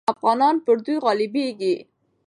افغانان پر دوی غالبېږي.